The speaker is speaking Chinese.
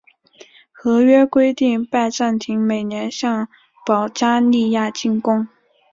合约规定拜占庭每年向保加利亚进贡。